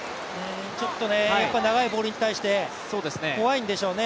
ちょっと長いボールに対して怖いんでしょうね。